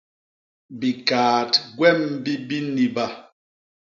Bikaat gwem bi biniba.